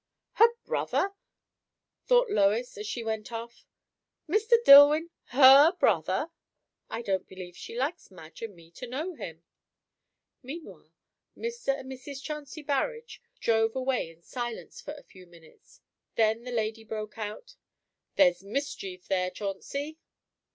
Her brother! thought Lois as she went off. Mr. Dillwyn, her brother! I don't believe she likes Madge and me to know him. Meanwhile Mr. and Mrs. Chauncey Burrage drove away in silence for a few minutes; then the lady broke out. "There's mischief there, Chauncey!"